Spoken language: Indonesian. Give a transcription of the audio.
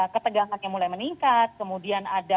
ketegangannya mulai meningkat kemudian ada